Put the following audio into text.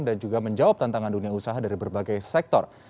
dan juga menjawab tantangan dunia usaha dari berbagai sektor